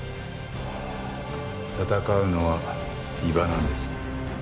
戦うのは伊庭なんです。